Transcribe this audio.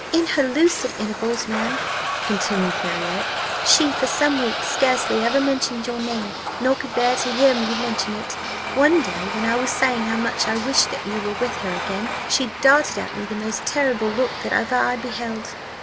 "In her lucid intervals, ma'am," continued Marriott, "she for some weeks scarcely ever mentioned your name, nor could bear to hear me mention it. One day, when I was saying how much I wished that you were with her again, she darted at me the most terrible look that ever I beheld.